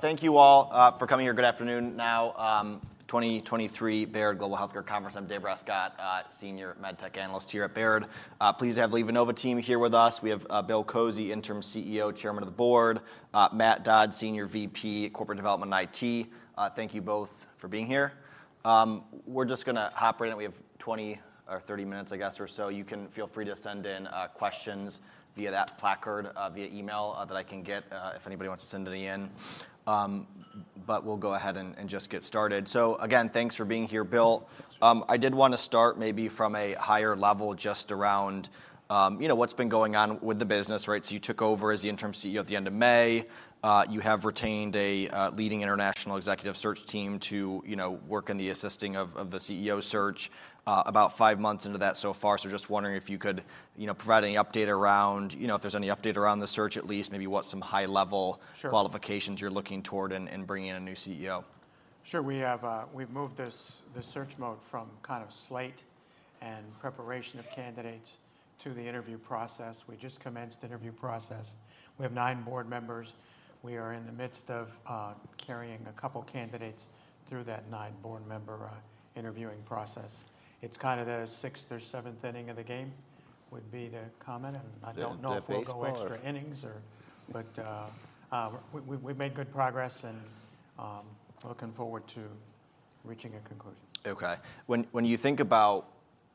Thank you all for coming here. Good afternoon, now, 2023 Baird Global Healthcare Conference. I'm Dave Branscomb, Senior MedTech Analyst here at Baird. Pleased to have LivaNova team here with us. We have Bill Kozy, Interim CEO, Chairman of the Board, Matt Dodds, Senior VP Corporate Development, IT. Thank you both for being here. We're just gonna hop right in. We have 20 or 30 minutes, I guess, or so. You can feel free to send in questions via that placard, via email, that I can get, if anybody wants to send any in. But we'll go ahead and just get started. So again, thanks for being here, Bill. I did wanna start maybe from a higher level, just around, you know, what's been going on with the business, right? So you took over as the interim CEO at the end of May. You have retained a leading international executive search team to, you know, work in the assisting of the CEO search, about five months into that so far. So just wondering if you could, you know, provide any update around- you know, if there's any update around the search, at least maybe what some high level- Sure. Qualifications you're looking toward in bringing in a new CEO? Sure. We have, we've moved this, the search mode from kind of slate and preparation of candidates to the interview process. We just commenced interview process. We have nine board members. We are in the midst of, carrying a couple candidates through that nine board member, interviewing process. It's kind of the sixth or seventh inning of the game, would be the comment, and But we've made good progress and looking forward to reaching a conclusion. Okay. When you think about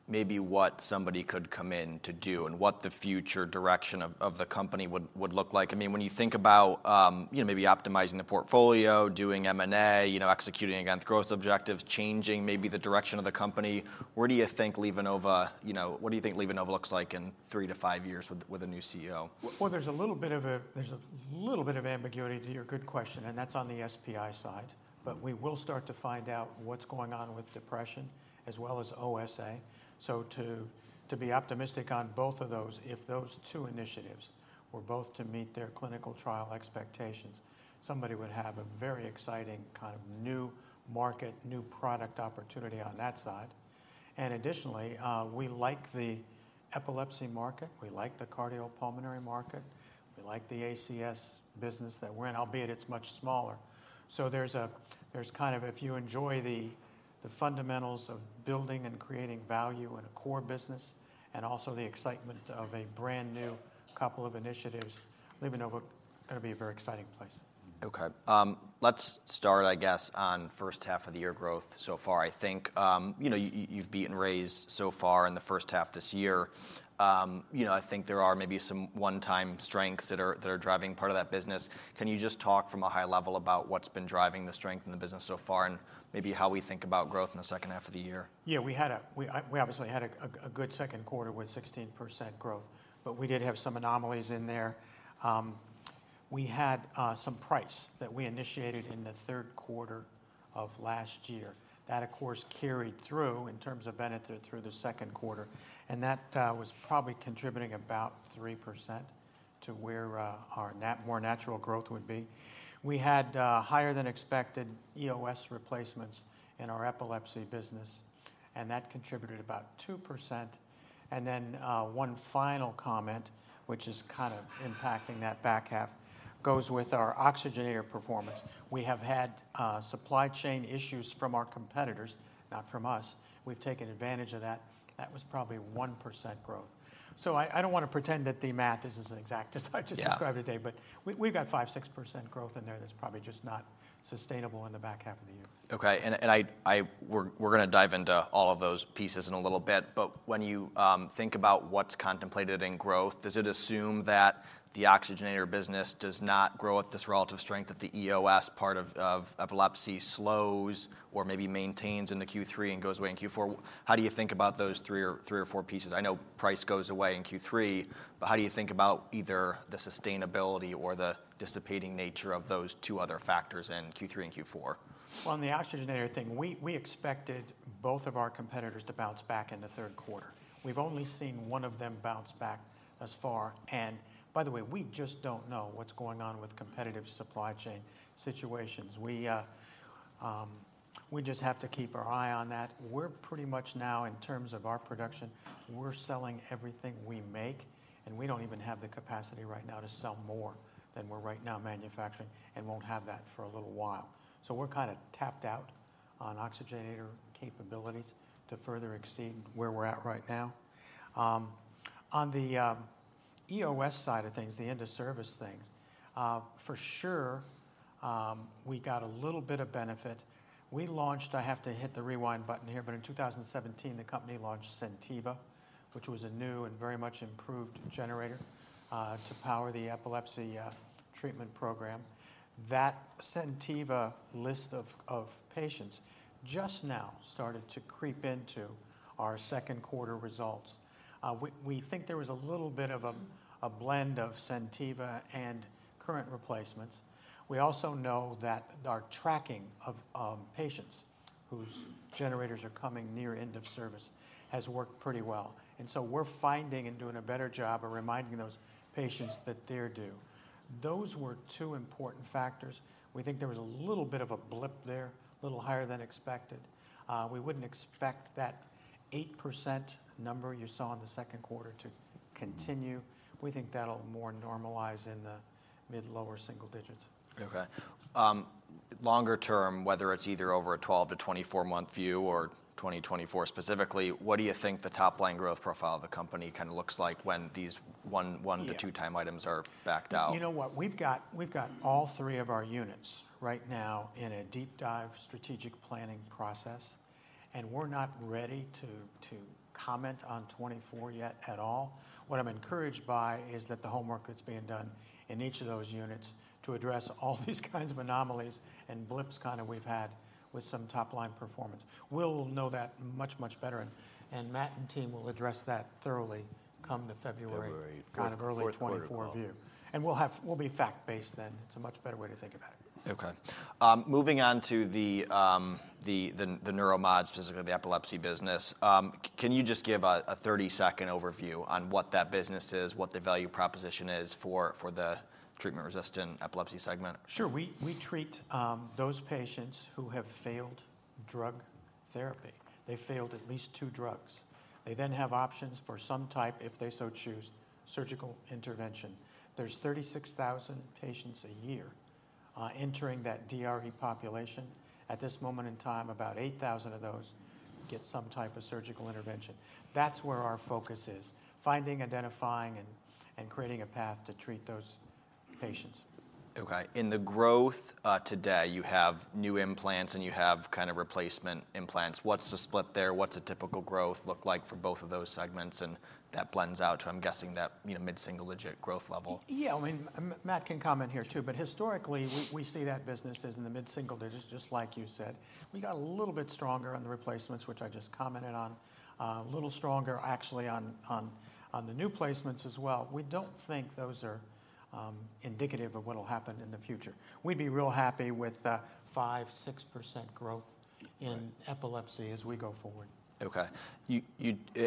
maybe what somebody could come in to do and what the future direction of the company would look like, I mean, when you think about, you know, maybe optimizing the portfolio, doing M&A, you know, executing against growth objectives, changing maybe the direction of the company, where do you think LivaNova—you know, what do you think LivaNova looks like in three to five years with a new CEO? Well, there's a little bit of ambiguity to your good question, and that's on the SPI side. But we will start to find out what's going on with depression as well as OSA. So to be optimistic on both of those, if those two initiatives were both to meet their clinical trial expectations, somebody would have a very exciting kind of new market, new product opportunity on that side. And additionally, we like the epilepsy market, we like the cardiopulmonary market, we like the ACS business that we're in, albeit it's much smaller. So there's kind of, if you enjoy the fundamentals of building and creating value in a core business, and also the excitement of a brand-new couple of initiatives, LivaNova gonna be a very exciting place. Okay. Let's start, I guess, on first half of the year growth so far. I think, you know, you've beaten raised so far in the first half this year. You know, I think there are maybe some one-time strengths that are driving part of that business. Can you just talk from a high level about what's been driving the strength in the business so far, and maybe how we think about growth in the second half of the year? Yeah, we had a good second quarter with 16% growth, but we did have some anomalies in there. We had some price that we initiated in the third quarter of last year. That, of course, carried through in terms of benefit through the second quarter, and that was probably contributing about 3% to where our more natural growth would be. We had higher than expected EOS replacements in our epilepsy business, and that contributed about 2%. Then one final comment, which is kind of impacting that back half, goes with our Oxygenator performance. We have had supply chain issues from our competitors, not from us. We've taken advantage of that. That was probably 1% growth. So I don't wanna pretend that the math, this is an exact, as I just described today but we've got 5%-6% growth in there that's probably just not sustainable in the back half of the year. Okay. And I-- we're gonna dive into all of those pieces in a little bit, but when you think about what's contemplated in growth, does it assume that the oxygenator business does not grow at this relative strength, that the EOS part of epilepsy slows or maybe maintains in the Q3 and goes away in Q4? How do you think about those three or four pieces? I know price goes away in Q3, but how do you think about either the sustainability or the dissipating nature of those two other factors in Q3 and Q4? Well, on the oxygenator thing, we expected both of our competitors to bounce back in the third quarter. We've only seen one of them bounce back as far. And by the way, we just don't know what's going on with competitive supply chain situations. We just have to keep our eye on that. We're pretty much now, in terms of our production, we're selling everything we make, and we don't even have the capacity right now to sell more than we're right now manufacturing, and won't have that for a little while. So we're kind of tapped out on oxygenator capabilities to further exceed where we're at right now. On the EOS side of things, the end of service things, for sure, we got a little bit of benefit. We launched... I have to hit the rewind button here, but in 2017, the company launched SenTiva, which was a new and very much improved generator to power the epilepsy treatment program. That SenTiva list of patients just now started to creep into our second quarter results. We think there was a little bit of a blend of SenTiva and current replacements. We also know that our tracking of patients whose generators are coming near end of service has worked pretty well. And so we're finding and doing a better job of reminding those patients that they're due. Those were two important factors. We think there was a little bit of a blip there, a little higher than expected. We wouldn't expect that 8% number you saw in the second quarter to continue. We think that'll more normalize in the mid-lower single digits. Okay. Longer term, whether it's either over a 12-24-month view or 2024 specifically, what do you think the top line growth profile of the company kind of looks like when these one, one to two time items are backed out? You know what? We've got, we've got all three of our units right now in a deep dive strategic planning process, and we're not ready to, to comment on 2024 yet at all. What I'm encouraged by is that the homework that's being done in each of those units to address all these kinds of anomalies and blips kind of we've had with some top line performance. We'll know that much, much better, and, and Matt and team will address that thoroughly come the February- February - kind of early 2024 view. Fourth quarter call. And we'll be fact-based then. It's a much better way to think about it. Okay. Moving on to the neuromods, specifically the epilepsy business, can you just give a 30-second overview on what that business is, what the value proposition is for the treatment-resistant epilepsy segment? Sure, we treat those patients who have failed drug therapy. They failed at least two drugs. They then have options for some type, if they so choose, surgical intervention. There's 36,000 patients a year entering that DRE population. At this moment in time, about 8,000 of those get some type of surgical intervention. That's where our focus is: finding, identifying, and creating a path to treat those patients. Okay. In the growth, today, you have new implants, and you have kind of replacement implants. What's the split there? What's a typical growth look like for both of those segments? And that blends out to, I'm guessing that, you know, mid-single-digit growth level. Yeah, I mean, Matt can comment here, too, but historically, we see that business as in the mid-single digits, just like you said. We got a little bit stronger on the replacements, which I just commented on, little stronger actually on the new placements as well. We don't think those are indicative of what will happen in the future. We'd be real happy with 5%-6% growth in epilepsy as we go forward. Okay. You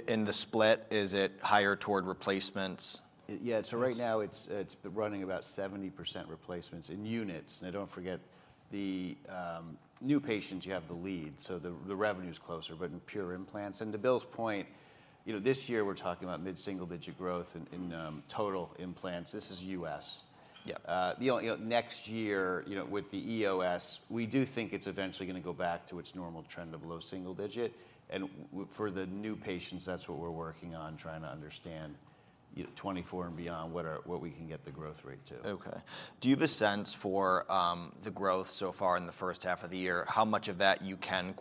and the split, is it higher toward replacements? Yeah, so right now it's running about 70% replacements in units. Now, don't forget the new patients, you have the lead, so the revenue is closer, but in pure implants. To Bill's point, you know, this year we're talking about mid-single-digit growth in total implants. This is U.S. you know, you know, next year, you know, with the EOS, we do think it's eventually gonna go back to its normal trend of low single digit. And for the new patients, that's what we're working on, trying to understand, you know, 2024 and beyond, what we can get the growth rate to. Okay. Do you have a sense for the growth so far in the first half of the year? How much of that you can,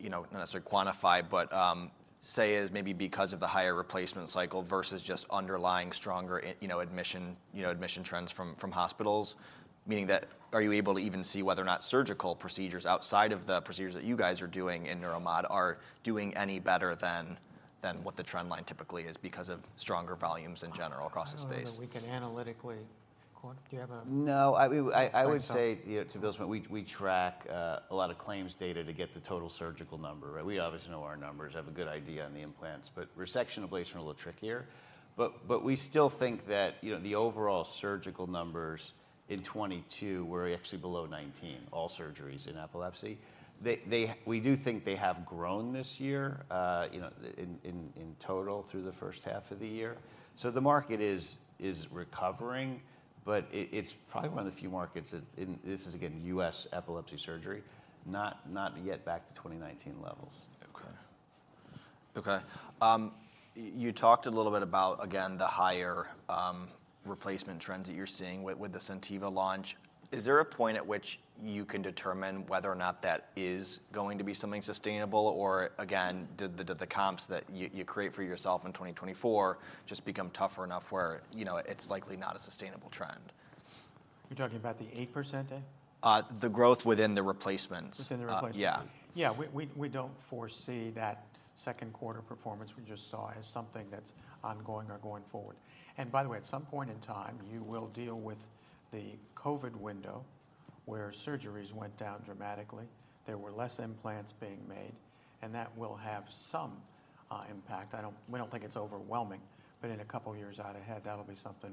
you know, not necessarily quantify, but say is maybe because of the higher replacement cycle versus just underlying stronger, you know, admission, you know, admission trends from, from hospitals? Meaning that, are you able to even see whether or not surgical procedures outside of the procedures that you guys are doing in neuro mod are doing any better than, than what the trend line typically is because of stronger volumes in general across the space? I don't know that we can analytically quan No, I would say to Bill's point, we track a lot of claims data to get the total surgical number, right? We obviously know our numbers, have a good idea on the implants, but resection, ablation are a little trickier. But we still think that, you know, the overall surgical numbers in 2022 were actually below 19, all surgeries in epilepsy. They we do think they have grown this year, you know, in total, through the first half of the year. So the market is recovering, but it's probably one of the few markets that, and this is again, U.S. epilepsy surgery, not yet back to 2019 levels. Okay. Okay. You talked a little bit about, again, the higher replacement trends that you're seeing with the SenTiva launch. Is there a point at which you can determine whether or not that is going to be something sustainable, or again, do the comps that you create for yourself in 2024 just become tougher enough where, you know, it's likely not a sustainable trend? You're talking about the 8% there? The growth within the replacements. Within the replacements. Yeah. Yeah, we don't foresee that second quarter performance we just saw as something that's ongoing or going forward. And by the way, at some point in time, you will deal with the COVID window, where surgeries went down dramatically, there were less implants being made, and that will have some impact. We don't think it's overwhelming, but in a couple of years out ahead, that'll be something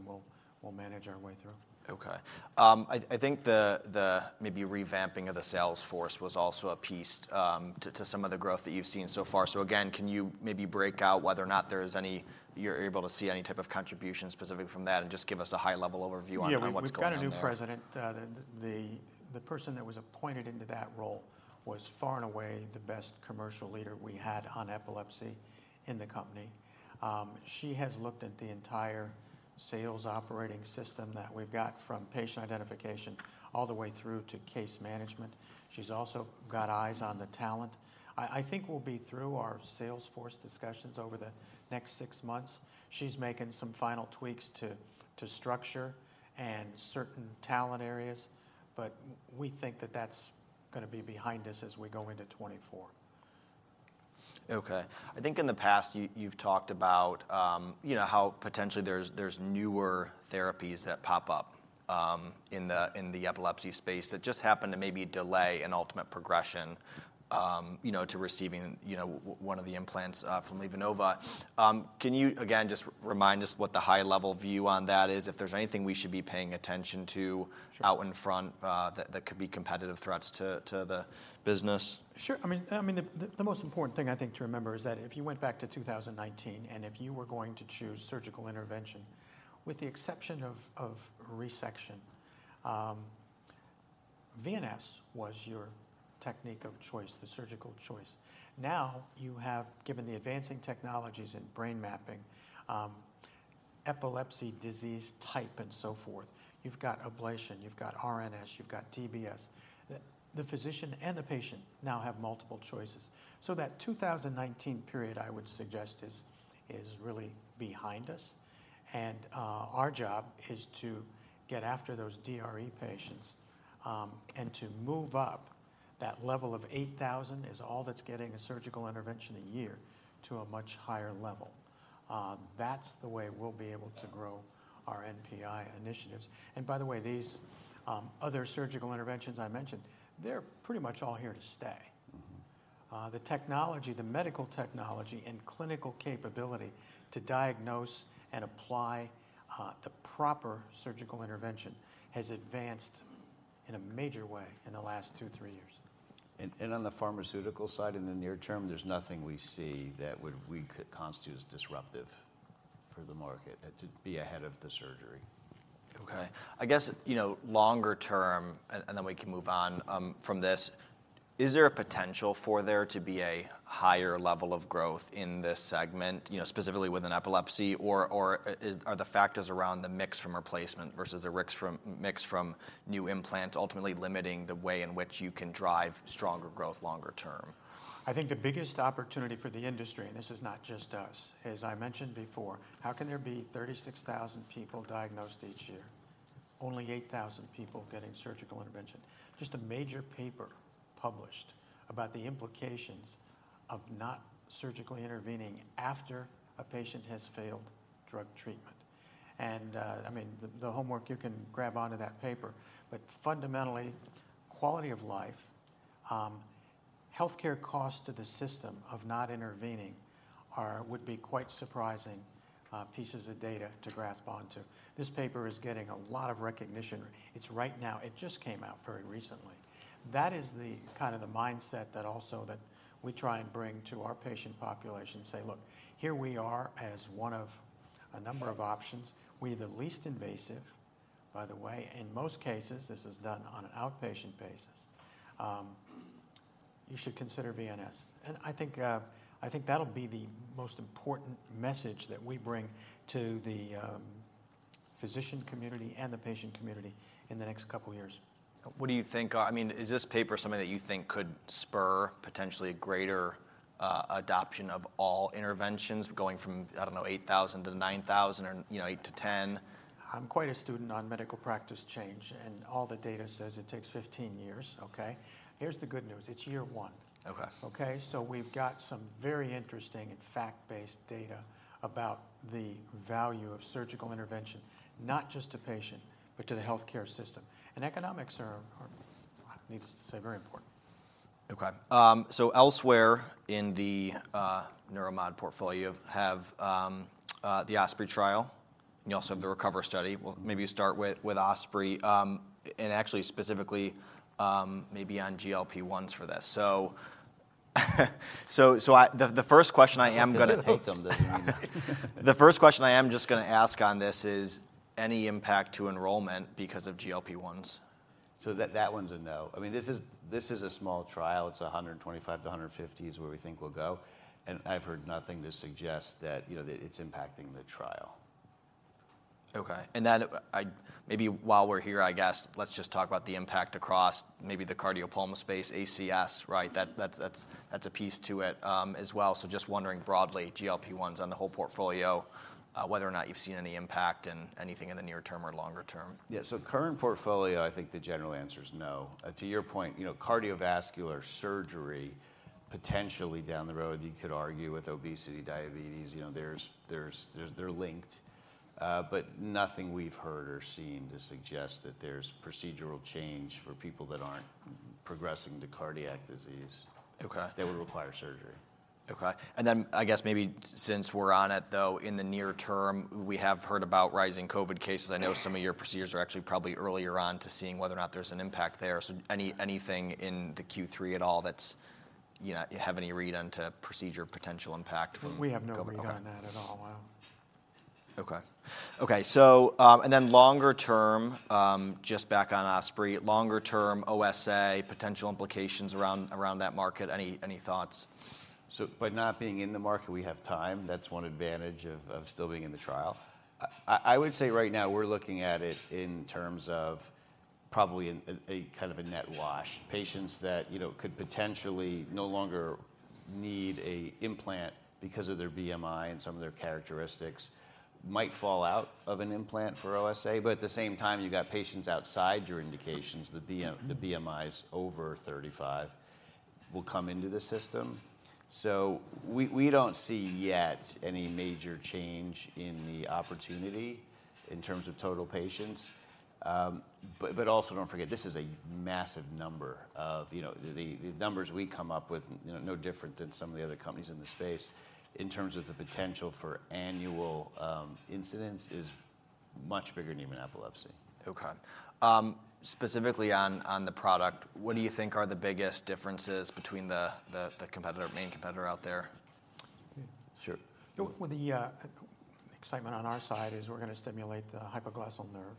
we'll manage our way through. Okay. I think the maybe revamping of the sales force was also a piece to some of the growth that you've seen so far. So again, can you maybe break out whether or not there's any you're able to see any type of contribution specific from that, and just give us a high-level overview on what's going on there? Yeah, we've got a new president. The person that was appointed into that role was far and away the best commercial leader we had on epilepsy in the company. She has looked at the entire sales operating system that we've got from patient identification all the way through to case management. She's also got eyes on the talent. I think we'll be through our sales force discussions over the next six months. She's making some final tweaks to structure and certain talent areas, but we think that that's gonna be behind us as we go into 2024. Okay. I think in the past, you, you've talked about, you know, how potentially there's newer therapies that pop up, in the epilepsy space that just happened to maybe delay an ultimate progression, you know, to receiving, you know, one of the implants from LivaNova. Can you, again, just remind us what the high level view on that is? If there's anything we should be paying attention to-Sure... out in front, that could be competitive threats to the business? Sure. I mean, I mean, the, the most important thing, I think, to remember is that if you went back to 2019, and if you were going to choose surgical intervention, with the exception of, of resection, VNS was your technique of choice, the surgical choice. Now, you have, given the advancing technologies in brain mapping, epilepsy, disease type, and so forth, you've got ablation, you've got RNS, you've got DBS. The, the physician and the patient now have multiple choices. So that 2019 period, I would suggest, is, is really behind us, and, our job is to get after those DRE patients, and to move up that level of 8,000 is all that's getting a surgical intervention a year to a much higher level. That's the way we'll be able to grow our NPI initiatives. By the way, these other surgical interventions I mentioned, they're pretty much all here to stay. The technology, the medical technology and clinical capability to diagnose and apply the proper surgical intervention has advanced in a major way in the last two, three years. And on the pharmaceutical side, in the near term, there's nothing we see that we could constitute as disruptive for the market, to be ahead of the surgery. Okay. I guess, you know, longer term, and then we can move on from this. Is there a potential for there to be a higher level of growth in this segment? You know, specifically within epilepsy, or are the factors around the mix from replacement versus the mix from new implants, ultimately limiting the way in which you can drive stronger growth longer term? I think the biggest opportunity for the industry, and this is not just us, as I mentioned before, how can there be 36,000 people diagnosed each year, only 8,000 people getting surgical intervention? Just a major paper published about the implications of not surgically intervening after a patient has failed drug treatment. I mean, the homework, you can grab onto that paper, but fundamentally, quality of life, healthcare costs to the system of not intervening are would be quite surprising, pieces of data to grasp onto. This paper is getting a lot of recognition. It's right now. It just came out very recently. That is the kind of the mindset that also that we try and bring to our patient population and say, "Look, here we are as one of a number of options. We're the least invasive, by the way. In most cases, this is done on an outpatient basis. You should consider VNS. And I think that'll be the most important message that we bring to the physician community and the patient community in the next couple of years. What do you think... I mean, is this paper something that you think could spur potentially greater adoption of all interventions, going from, I don't know, 8,000-9,000 or, you know, eight to 10? I'm quite a student on medical practice change, and all the data says it takes 15 years, okay? Here's the good news. It's year 1. Okay. Okay, so we've got some very interesting and fact-based data about the value of surgical intervention, not just to patient, but to the healthcare system. Economics are, needless to say, very important. Okay. So elsewhere in the Neuromod portfolio, you have the ASPRE trial, and you also have the RECOVER study. Well, maybe start with ASPRE, and actually, specifically, maybe on GLP-1s for this. The first question I am gonna take- Take them. The first question I am just gonna ask on this is, any impact to enrollment because of GLP-1s? That one's a no. I mean, this is a small trial. It's 125-150 is where we think we'll go, and I've heard nothing to suggest that, you know, that it's impacting the trial. Okay. And then, maybe while we're here, I guess, let's just talk about the impact across maybe the cardio-pulmo space, ACS, right? That, that's a piece to it, as well. So just wondering broadly, GLP-1s on the whole portfolio, whether or not you've seen any impact in anything in the near term or longer term. Yeah, so current portfolio, I think the general answer is no. To your point, you know, cardiovascular surgery, potentially down the road, you could argue with obesity, diabetes, you know, there's they're linked. But nothing we've heard or seen to suggest that there's procedural change for people that aren't progressing to cardiac disease- Okay... that would require surgery. Okay. And then, I guess maybe since we're on it, though, in the near term, we have heard about rising COVID cases. I know some of your procedures are actually probably earlier on to seeing whether or not there's an impact there. So anything in the Q3 at all that's, you know, you have any read on to procedure potential impact from COVID? We have no read on that at all. Well. Okay. Okay, so, and then longer term, just back on ASPRE, longer-term OSA, potential implications around that market, any thoughts? So by not being in the market, we have time. That's one advantage of still being in the trial. I would say right now we're looking at it in terms of probably in a kind of a net wash. Patients that, you know, could potentially no longer need a implant because of their BMI and some of their characteristics might fall out of an implant for OSA, but at the same time, you got patients outside your indications, the BM, the BMIs over 35, will come into the system. So we, we don't see yet any major change in the opportunity in terms of total patients. But, but also, don't forget, this is a massive number of... You know, the, the numbers we come up with, you know, no different than some of the other companies in the space, in terms of the potential for annual incidents, is much bigger than even epilepsy. Okay. Specifically on the product, what do you think are the biggest differences between the main competitor out there? Sure. Well, the excitement on our side is we're gonna stimulate the hypoglossal nerve.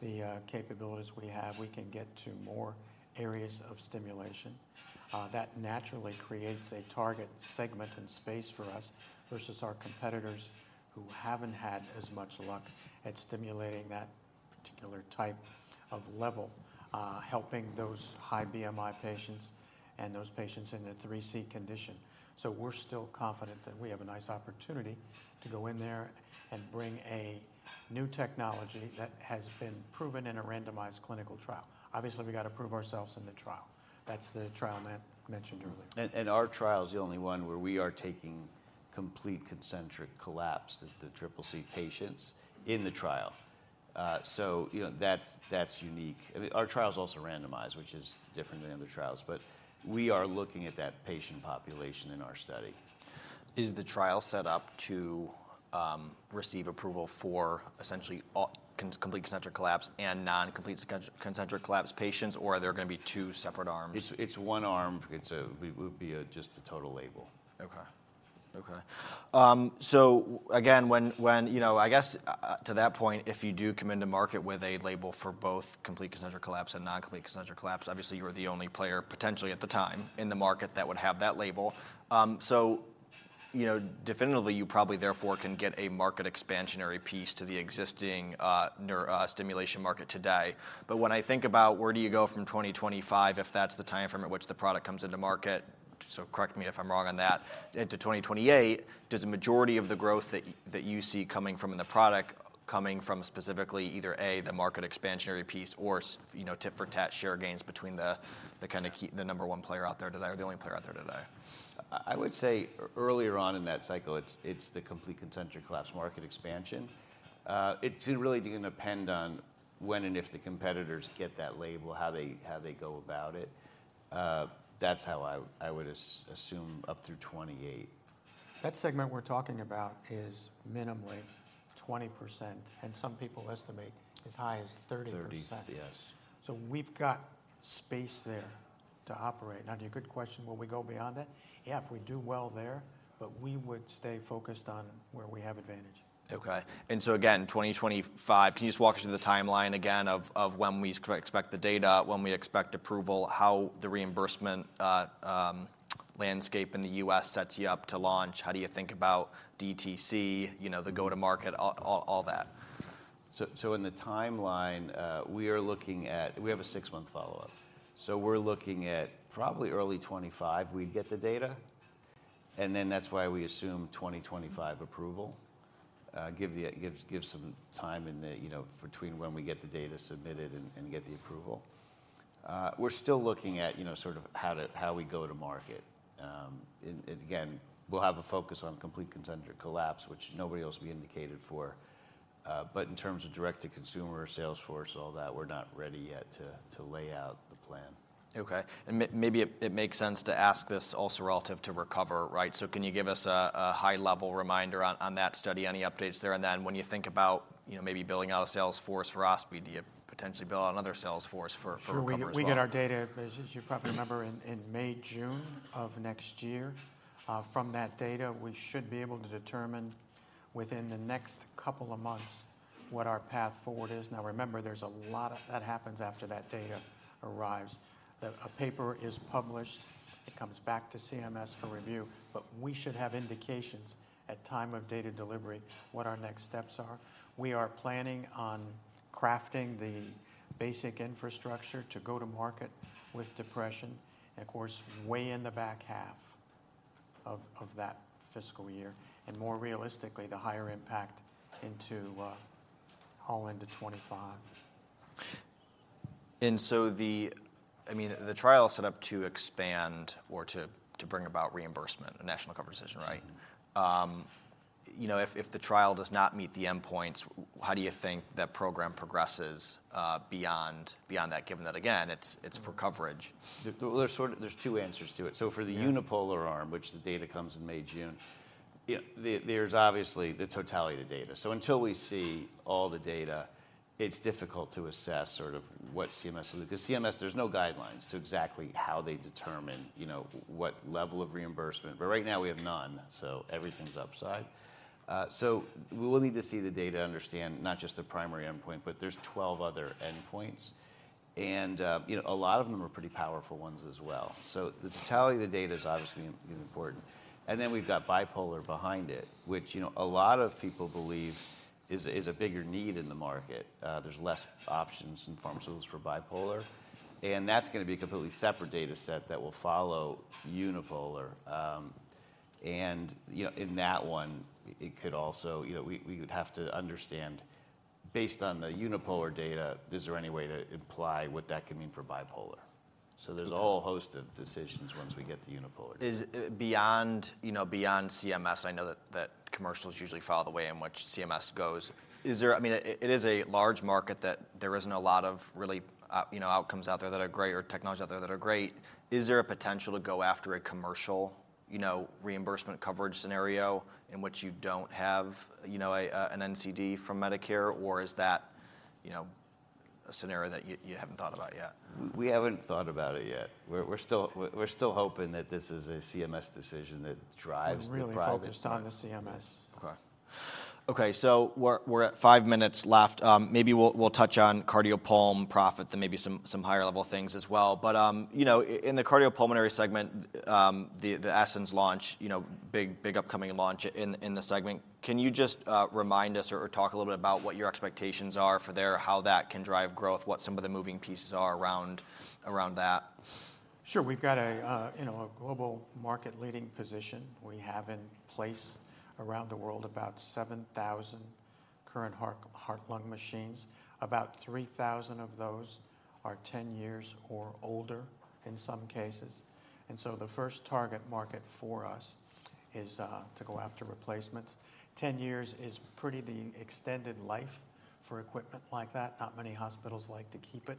The capabilities we have, we can get to more areas of stimulation. That naturally creates a target segment and space for us, versus our competitors who haven't had as much luck at stimulating that particular type of level, helping those high BMI patients and those patients in the 3C condition. So we're still confident that we have a nice opportunity to go in there and bring a new technology that has been proven in a randomized clinical trial. Obviously, we've got to prove ourselves in the trial. That's the trial Matt mentioned earlier. Our trial is the only one where we are taking complete concentric collapse, the triple C patients, in the trial. So you know, that's unique. I mean, our trial is also randomized, which is different than other trials, but we are looking at that patient population in our study. Is the trial set up to receive approval for essentially all complete concentric collapse and non-complete concentric collapse patients, or are there going to be two separate arms? It's one arm. It would be just a total label. So again, when you do come into market with a label for both Complete Concentric Collapse and non-Complete Concentric Collapse, obviously, you are the only player, potentially at the time, in the market that would have that label. So you know, definitively, you probably therefore can get a market expansionary piece to the existing nerve stimulation market today. When I think about where do you go from 2025, if that's the timeframe at which the product comes into market, so correct me if I'm wrong on that, into 2028, does the majority of the growth that you see coming from the product, coming from specifically either, A, the market expansionary piece, or you know, tit-for-tat share gains between the, the kind of the number one player out there today or the only player out there today? I would say earlier on in that cycle, it's the Complete Concentric Collapse market expansion. It's really gonna depend on when and if the competitors get that label, how they go about it. That's how I would assume up through 2028. That segment we're talking about is minimally 20%, and some people estimate as high as 30%. 30, yes. So we've got space there to operate. Now, to your good question, will we go beyond that? Yeah, if we do well there, but we would stay focused on where we have advantage. Okay. And so again, 2025, can you just walk us through the timeline again of when we expect the data, when we expect approval, how the reimbursement landscape in the U.S. sets you up to launch? How do you think about DTC, you know, the go-to-market, all that? So in the timeline, we are looking at... We have a six-month follow-up. So we're looking at probably early 2025, we'd get the data, and then that's why we assume 2025 approval. Give some time, you know, between when we get the data submitted and get the approval. We're still looking at, you know, sort of how we go to market. And again, we'll have a focus on complete concentric collapse, which nobody else will be indicated for. But in terms of direct to consumer, sales force, all that, we're not ready yet to lay out the plan. Okay. Maybe it makes sense to ask this also relative to RECOVER, right? So can you give us a high-level reminder on that study, any updates there? And then when you think about, you know, maybe building out a sales force for OSPREY, do you potentially build out another sales force for RECOVER as well? Sure. We get our data, as you probably remember, in May, June of next year. From that data, we should be able to determine within the next couple of months what our path forward is. Now, remember, there's a lot that happens after that data arrives. That a paper is published, it comes back to CMS for review, but we should have indications at time of data delivery, what our next steps are. We are planning on crafting the basic infrastructure to go to market with depression, and of course, way in the back half of that fiscal year, and more realistically, the higher impact into all into 2025. And so, I mean, the trial is set up to expand or to bring about reimbursement, a national coverage determination, right?,You know, if the trial does not meet the endpoints, how do you think that program progresses beyond that, given that, again, it's for coverage? Well, there's sort of- there's two answers to it. So for the unipolar arm, which the data comes in May, June, you know, there, there's obviously the totality of data. So until we see all the data, it's difficult to assess sort of what CMS will do. Because CMS, there's no guidelines to exactly how they determine, you know, what level of reimbursement. But right now we have none, so everything's upside. So we will need to see the data to understand not just the primary endpoint, but there's 12 other endpoints, and, you know, a lot of them are pretty powerful ones as well. So the totality of the data is obviously important. And then we've got bipolar behind it, which, you know, a lot of people believe is a, is a bigger need in the market. There's less options in pharmaceuticals for bipolar, and that's gonna be a completely separate data set that will follow unipolar. And, you know, in that one, it could also... You know, we would have to understand, based on the unipolar data, is there any way to imply what that could mean for bipolar? So there's a whole host of decisions once we get the unipolar. Is beyond, you know, beyond CMS, I know that commercials usually follow the way in which CMS goes. Is there... I mean, it is a large market that there isn't a lot of really, you know, outcomes out there that are great or technologies out there that are great. Is there a potential to go after a commercial, you know, reimbursement coverage scenario in which you don't have, you know, an NCD from Medicare? Or is that a scenario that you haven't thought about yet? We haven't thought about it yet. We're still hoping that this is a CMS decision that drives the private- We're really focused on the CMS. Okay. Okay, so we're at five minutes left. Maybe we'll touch on Cardiopulmonary profit, then maybe some higher level things as well. But, you know, in the Cardiopulmonary segment, the Essenz launch, you know, big upcoming launch in the segment, can you just remind us or talk a little bit about what your expectations are for there, how that can drive growth, what some of the moving pieces are around that? Sure. We've got a, you know, a global market-leading position. We have in place around the world about 7,000 current heart, heart-lung machines. About 3,000 of those are 10 years or older in some cases, and so the first target market for us is to go after replacements. 10 years is pretty the extended life for equipment like that. Not many hospitals like to keep it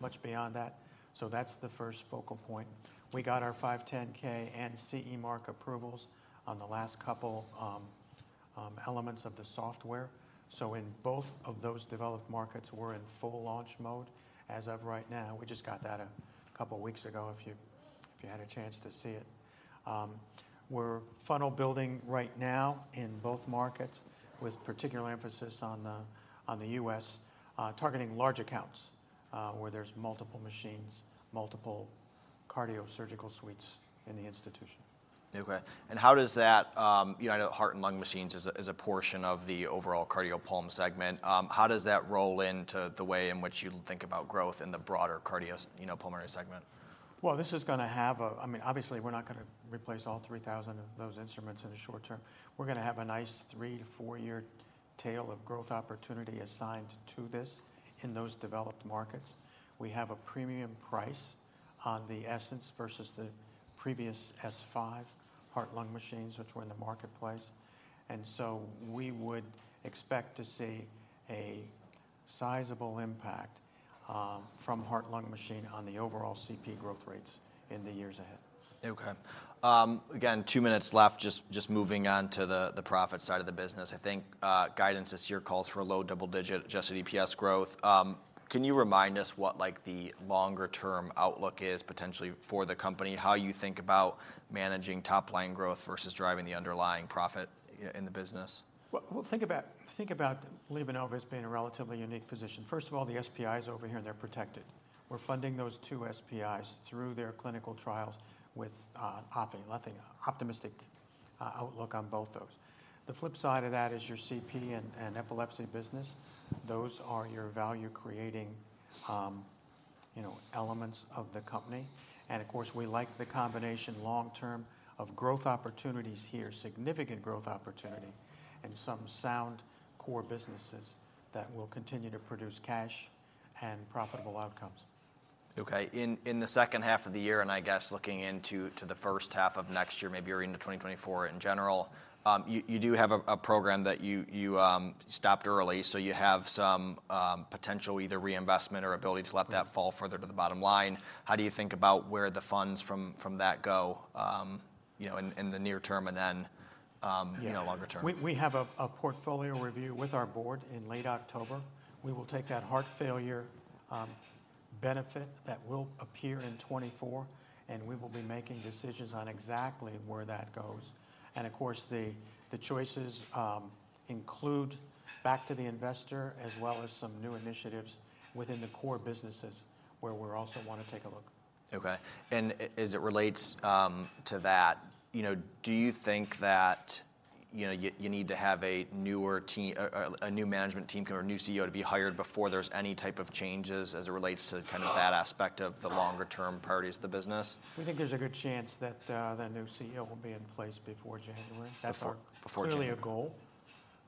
much beyond that, so that's the first focal point. We got our 510(k) and CE mark approvals on the last couple, elements of the software, so in both of those developed markets, we're in full launch mode as of right now. We just got that a couple of weeks ago, if you had a chance to see it. We're funnel building right now in both markets, with particular emphasis on the U.S., targeting large accounts, where there's multiple machines, multiple cardio surgical suites in the institution. Okay, and how does that... You know, heart and lung machines is a portion of the overall cardiopulmonary segment. How does that roll into the way in which you think about growth in the broader cardio, you know, pulmonary segment? Well, this is gonna have a-- I mean, obviously, we're not gonna replace all 3,000 of those instruments in the short term. We're gonna have a nice three to four-year tail of growth opportunity assigned to this in those developed markets. We have a premium price on the Essenz versus the previous S5 heart-lung machines, which were in the marketplace, and so we would expect to see a sizable impact from heart-lung machine on the overall CP growth rates in the years ahead. Okay. Again, two minutes left, just moving on to the profit side of the business. I think guidance this year calls for a low double-digit adjusted EPS growth. Can you remind us what, like, the longer-term outlook is potentially for the company? How you think about managing top-line growth versus driving the underlying profit in the business? Well, well, think about, think about LivaNova being in a relatively unique position. First of all, the SPIs over here, they're protected. We're funding those two SPIs through their clinical trials with optimistic outlook on both those. The flip side of that is your CP and epilepsy business. Those are your value-creating, you know, elements of the company. And of course, we like the combination long term of growth opportunities here, significant growth opportunity, and some sound core businesses that will continue to produce cash and profitable outcomes. Okay. In the second half of the year, and I guess looking into the first half of next year, maybe into 2024 in general, you do have a program that you stopped early, so you have some potential either reinvestment or ability to let that fall further to the bottom line. How do you think about where the funds from that go, you know, in the near term, and then? you know, longer term? We have a portfolio review with our board in late October. We will take that heart failure benefit that will appear in 2024, and we will be making decisions on exactly where that goes. And of course, the choices include back to the investor, as well as some new initiatives within the core businesses, where we'll also want to take a look. Okay. As it relates to that, you know, do you think that, you know, you need to have a newer team, a new management team or a new CEO to be hired before there's any type of changes as it relates to kind of that aspect of the longer-term priorities of the business? We think there's a good chance that, the new CEO will be in place before January. Before January. That's clearly a goal,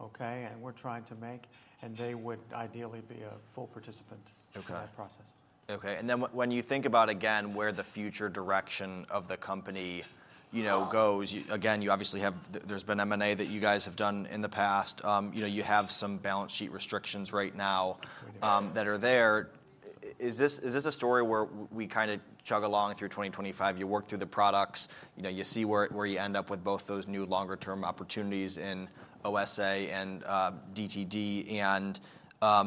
okay? And we're trying to make, and they would ideally be a full participant- Okay... in that process. Okay, and then when you think about, again, where the future direction of the company, you know, goes, again, you obviously have... There's been M&A that you guys have done in the past. You know, you have some balance sheet restrictions right now that are there. Is this a story where we kind of chug along through 2025, you work through the products, you know, you see where you end up with both those new longer-term opportunities in OSA and TRD, and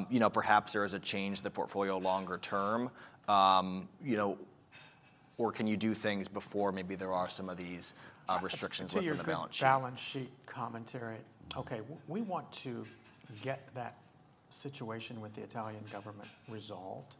you know, perhaps there is a change in the portfolio longer term? You know, or can you do things before maybe there are some of these restrictions within the balance sheet? To your balance sheet commentary, okay, we want to get that situation with the Italian government resolved,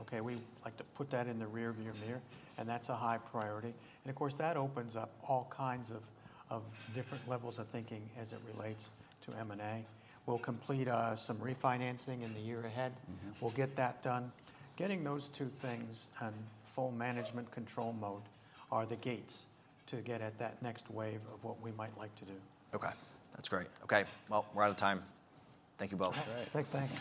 okay? We'd like to put that in the rear-view mirror, and that's a high priority. And of course, that opens up all kinds of, of different levels of thinking as it relates to M&A. We'll complete some refinancing in the year ahead. We'll get that done. Getting those two things in full management control mode are the gates to get at that next wave of what we might like to do. Okay, that's great. Okay, well, we're out of time. Thank you both. Great. Thank you.